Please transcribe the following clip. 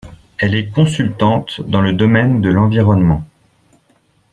Elle est consultante dans le domaine de l'environnement.